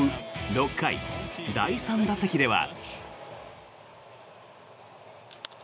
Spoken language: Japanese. ６回第３打席では。